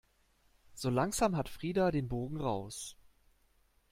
So langsam hat Frida den Bogen raus.